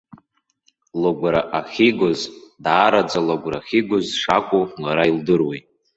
Лыгәра ахьигоз, даараӡа лыгәра ахьигоз шакәу лара илдыруеит.